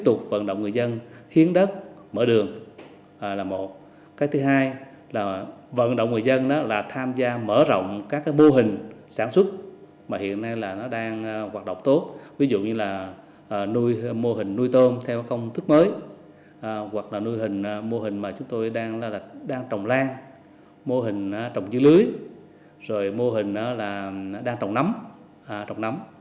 là nuôi hình mô hình mà chúng tôi đang trồng lan mô hình trồng dưới lưới rồi mô hình đó là đang trồng nấm trồng nấm